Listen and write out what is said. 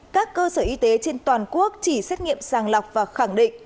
các cơ sở y tế trên toàn quốc chỉ xét nghiệm sàng lọc và khẳng định